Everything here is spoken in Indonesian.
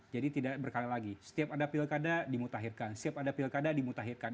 jadi tidak berkali lagi setiap ada pilkada dimutahirkan setiap ada pilkada dimutahirkan